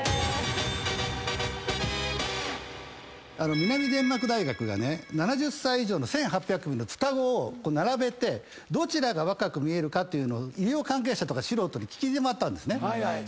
南デンマーク大学が７０歳以上の１，８００組の双子を並べてどちらが若く見えるかというのを医療関係者とか素人に聞き回ったんですね。